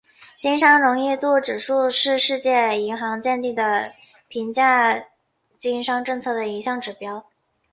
经商容易度指数是世界银行建立的评价经济政策的一项指标。